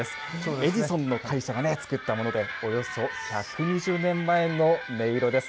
エジソンの会社がね、作ったもので、およそ１２０年前の音色です。